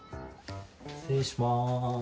失礼します。